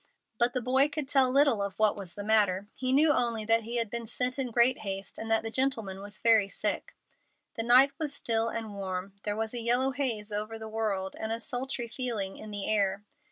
But the boy could tell little of what was the matter. He knew only that he had been sent in great haste, and that the gentleman was very sick. The night was still and warm. There was a yellow haze over the world, and a sultry feeling in the air.